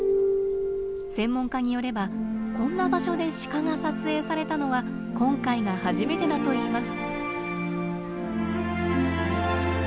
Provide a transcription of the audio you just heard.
専門家によればこんな場所でシカが撮影されたのは今回が初めてだといいます。